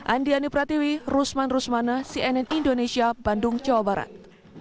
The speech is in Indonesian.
andi ani pratiwi rusman rusmana cnn indonesia bandung jawa barat